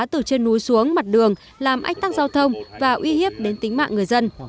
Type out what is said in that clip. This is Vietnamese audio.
từ trên núi xuống mặt đường làm ách tắc giao thông và uy hiếp đến tính mạng người dân